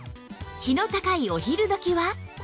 日の高いお昼時は？